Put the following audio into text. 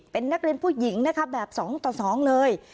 เป็นนักเรียนผู้หญิงนะคะแบบ๒ต่อ๒เลย